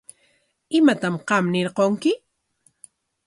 ¿Imatam qam ñirqunki?